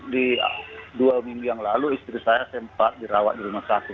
di dua minggu yang lalu istri saya sempat dirawat di rumah sakit